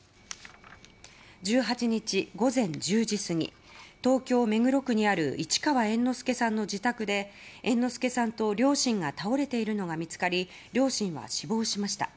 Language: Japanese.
１８日午前１０時過ぎ東京・目黒区にある市川猿之助さんの自宅で猿之助さんと両親が倒れているのが見つかり両親は死亡しました。